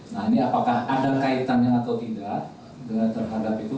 nah ini apakah ada kaitannya atau tidak terhadap itu